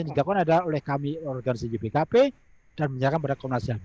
ini sudah diadakan oleh kami organisasi ypkp dan menyiapkan pada komnas ham